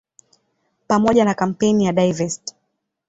Pamoja na kampeni ya "Divest!